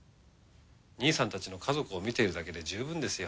兄さんたちの家族を見ているだけで十分ですよ。